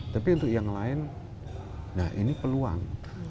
tapi untuk yang lain nah ini peluang